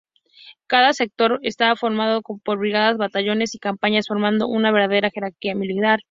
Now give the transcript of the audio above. Cada sector estaba formado por brigadas, batallones y compañías, formando una verdadera jerarquía militar.